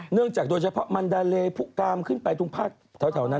เนื่องจากโดยเฉพาะมันดาเลผู้กามขึ้นไปตรงภาคแถวนั้น